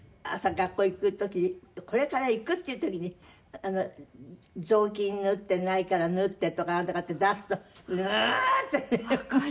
学校行く時にこれから行くっていう時に雑巾縫っていないから縫ってとかなんとかって出すとううー！ってもうね。